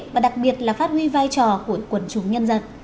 và đặc biệt là phát huy vai trò của quần chúng nhân dân